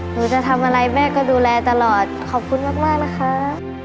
หนูจะทำอะไรแม่ก็ดูแลตลอดขอบคุณมากนะครับ